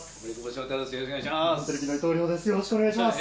よろしくお願いします。